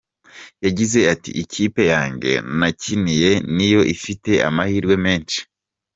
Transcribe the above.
Yagize ati “Ikipe yanjye nakiniye niyo ifite amahirwe menshi.